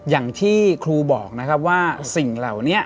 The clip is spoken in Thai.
อย่างที่ครูบอกนะครับว่าสิ่งเหล่านี้